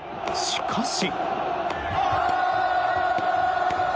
しかし。